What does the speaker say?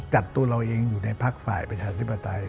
จัดตัวเราเองอยู่ในภากฝ่ายประชาชนศิพตาย